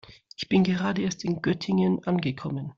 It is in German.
Ich bin gerade erst in Göttingen angekommen